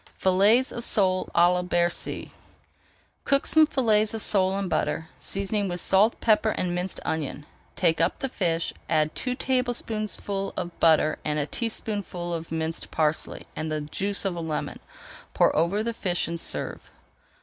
FILLETS OF SOLE À LA BERCY Cook some fillets of sole in butter, seasoning with salt, pepper, and minced onion. Take up the fish, add two tablespoonfuls of butter, a teaspoonful of minced parsley, and the juice of a lemon. Pour over the fish and serve.